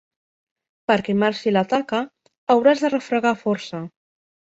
Perquè marxi la taca, hauràs de refregar força.